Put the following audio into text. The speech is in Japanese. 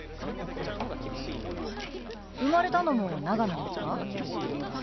生まれたのも長野ですか？